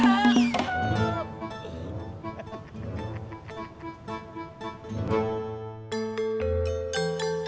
ya tapi aku mau makan